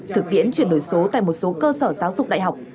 thực tiễn chuyển đổi số tại một số cơ sở giáo dục đại học